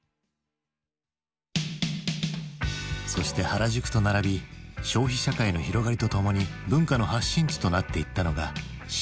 そして原宿と並び消費社会の広がりとともに文化の発信地となっていったのが渋谷だ。